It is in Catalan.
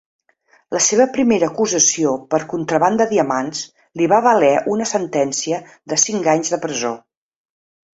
La seva primera acusació per contraban de diamants li va valer una sentència de cinc anys de presó.